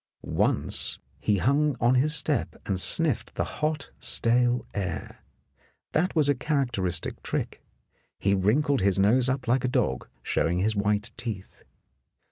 Once he hung on his step and sniffed the hot, stale air. That was a characteristic trick; he wrinkled his nose up like a dog, showing his white teeth.